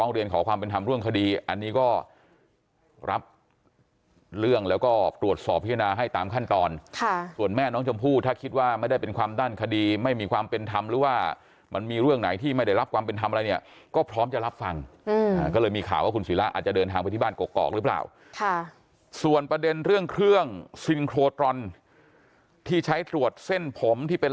เรียนขอความเป็นธรรมเรื่องคดีอันนี้ก็รับเรื่องแล้วก็ตรวจสอบพิจารณาให้ตามขั้นตอนส่วนแม่น้องชมพู่ถ้าคิดว่าไม่ได้เป็นความด้านคดีไม่มีความเป็นธรรมหรือว่ามันมีเรื่องไหนที่ไม่ได้รับความเป็นธรรมอะไรเนี่ยก็พร้อมจะรับฟังก็เลยมีข่าวว่าคุณศิราอาจจะเดินทางไปที่บ้านกอกหรือเปล่าส่วนประเด็นเรื่องเครื่องซินโครตรอนที่ใช้ตรวจเส้นผมที่เป็น